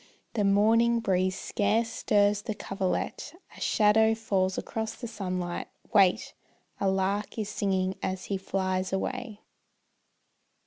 The morning breeze scarce stirs the coverlet, A shadow falls across the sunlight; wait! A lark is singing as he flies away.